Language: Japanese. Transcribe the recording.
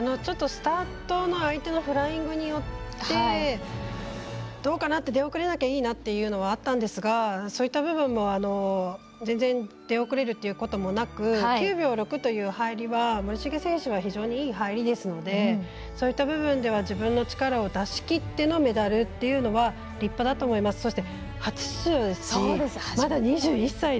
スタートの相手のフライングによってどうかなって、出遅れなきゃいいなというのはあったんですがそういった部分も全然、出遅れるということもなく９秒６という入りは森重選手は、非常にいい入りでそういった部分では自分の力を出しきってのメダルっていうのは立派だと思います。